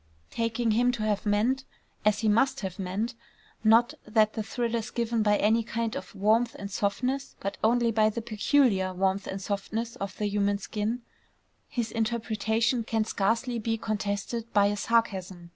Taking him to have meant as he must have meant, not that the thrill is given by any kind of warmth and softness, but only by the peculiar warmth and softness of the human skin, his interpretation can scarcely be contested by a sarcasm.